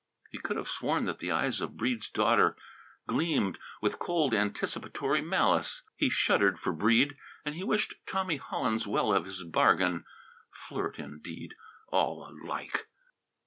He could have sworn that the eyes of Breede's daughter gleamed with cold anticipatory malice. He shuddered for Breede. And he wished Tommy Hollins well of his bargain. Flirt, indeed! All alike!